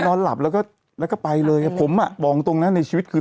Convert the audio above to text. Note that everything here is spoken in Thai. นอนหลับแล้วก็แล้วก็ไปเลยอ่ะผมอ่ะบอกตรงนะในชีวิตคือ